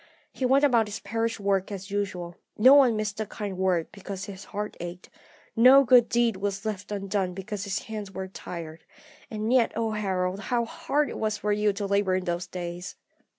He went about his parish work as usual; no one missed a kind word because his heart ached, no good deed was left undone because his hands were tired. And yet, O Harold, how hard it was for you to labour in those days!